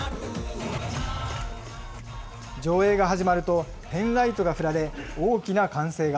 上映が始まると、ペンライトが振られ、大きな歓声が。